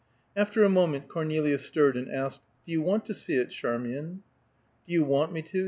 After a moment Cornelia stirred and asked, "Do you want to see it, Charmian?" "Do you want me to?"